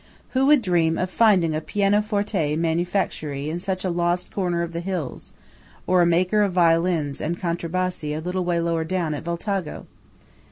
Who would dream of finding a pianoforte manufactory in such a lost corner of the hills, or a maker of violins and contrabassi a little way lower down at Voltago?